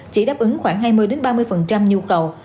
chỉ đáp ứng khoảng hai mươi ba mươi nhu cầu